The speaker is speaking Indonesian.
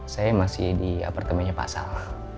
saya masih di apartemennya pak sal